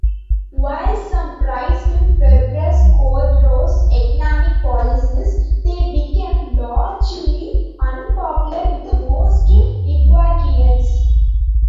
While some praised Febres Cordero's economic policies, they became largely unpopular with most Ecuadorians.